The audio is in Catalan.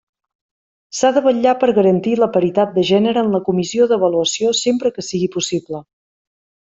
S'ha de vetllar per garantir la paritat de gènere en la Comissió d'Avaluació, sempre que sigui possible.